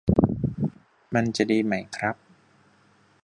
มันจะดีไหมครับ